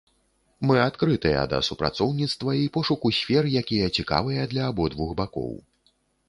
Мы адкрытыя да супрацоўніцтва і пошуку сфер, якія цікавыя для абодвух бакоў.